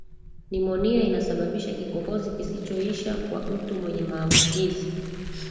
nimonia inasababisha kikohozi kisichoisha kwa mtu mwenye maambukizi